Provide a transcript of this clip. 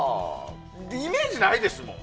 イメージないですもん